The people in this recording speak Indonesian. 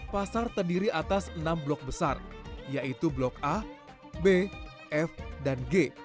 pasar terdiri atas enam blok besar yaitu blok a b f dan g